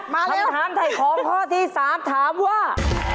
มาแล้วคำถามใส่ของข้อที่๓ถามว่า